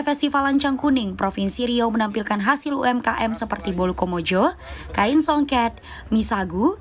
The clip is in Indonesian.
festival lancang kuning provinsi riau menampilkan hasil umkm seperti bolu komojo kain songket misagu